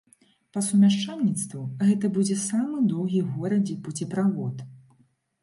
Па сумяшчальніцтву, гэта будзе самы доўгі ў горадзе пуцеправод.